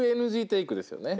ＮＧテイクっすね。